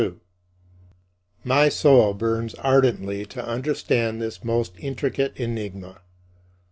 My soul burns ardently to understand this most intricate enigma.